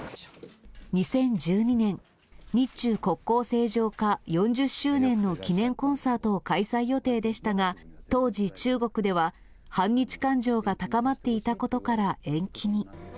２０１２年、日中国交正常化４０周年の記念コンサートを開催予定でしたが、当時、中国では反日感情が高まっていたことから延期に。